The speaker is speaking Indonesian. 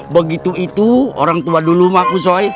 begitu itu orang tua dulu mahkusoi